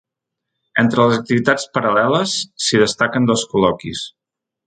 Entre les activitats paral·leles, s’hi destaquen dos col·loquis.